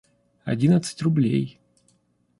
Одиннадцать рублей.